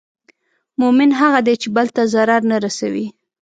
مؤمن هغه دی چې بل ته ضرر نه رسوي.